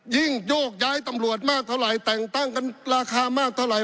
โยกย้ายตำรวจมากเท่าไหร่แต่งตั้งกันราคามากเท่าไหร